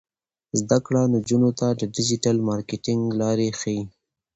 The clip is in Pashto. زده کړه نجونو ته د ډیجیټل مارکیټینګ لارې ښيي.